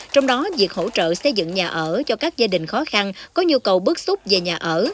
trong đó việc hỗ trợ xây dựng nhà ở cho các gia đình khó khăn có nhu cầu bước xúc về nhà ở